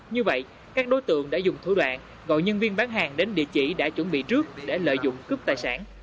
như vậy các đối tượng đã dùng thủ đoạn gọi nhân viên bán hàng đến địa chỉ đã chuẩn bị trước để lợi dụng cướp tài sản